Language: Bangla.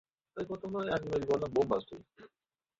তোমাদের নিকট তোমাদের প্রতিপালকের কাছ থেকে স্পষ্ট নিদর্শন এসেছে।